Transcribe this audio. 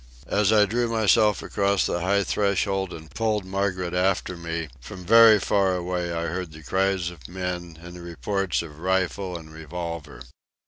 As I drew myself across the high threshold and pulled Margaret after me, from very far away I heard the cries of men and the reports of rifle and revolver.